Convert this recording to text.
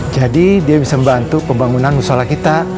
jadi dia bisa membantu pembangunan musola kita